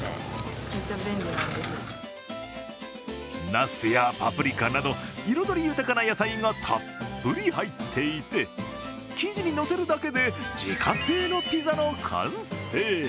なすやパプリカなど彩り豊かな野菜がたっぷり入っていて、生地にのせるだけで自家製のピザの完成。